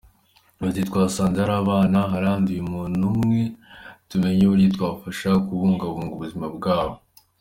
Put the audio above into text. Yagize ati :”Twasanze hari ababana haranduye umuntu umwe, tumenya uburyo tubafasha kubungabunga ubuzima bwabo”.